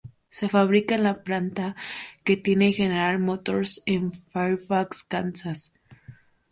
Se fabrica en la planta que tiene General Motors en Fairfax, Kansas.